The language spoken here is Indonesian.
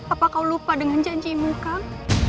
apa kau lupa dengan janjimu kang